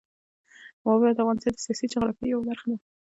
واوره د افغانستان د سیاسي جغرافیې یوه برخه ده.